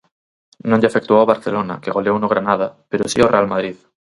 Non lle afectou ao Barcelona, que goleou no Granada, pero si ao Real Madrid.